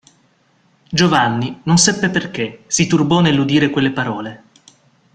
Giovanni, non seppe perché, si turbò nell'udire quelle parole.